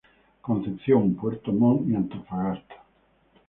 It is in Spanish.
Concepción, Puerto Montt y Antofagasta.